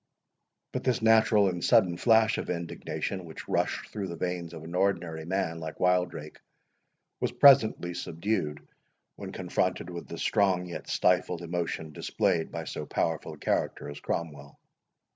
But this natural and sudden flash of indignation, which rushed through the veins of an ordinary man like Wildrake, was presently subdued, when confronted with the strong yet stifled emotion displayed by so powerful a character as Cromwell.